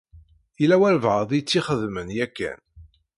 Yella walebɛaḍ i tt-ixedmen yakan.